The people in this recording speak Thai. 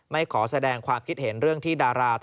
ขอแสดงความคิดเห็นเรื่องที่ดารา